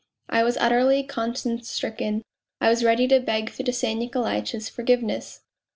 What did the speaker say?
I was utterly conscience stricken ; I was ready to beg Fedosey Nikolaitch's forgiveness."